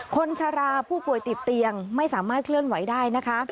ชาราผู้ป่วยติดเตียงไม่สามารถเคลื่อนไหวได้นะคะ